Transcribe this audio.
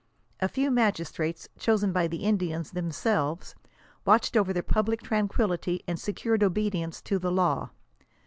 A few magistrates, chosen by the Indians themselves, watched over the public tranquillity and secured obedience to the law.